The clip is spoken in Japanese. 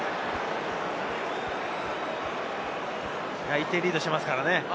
１点リードしていますからね。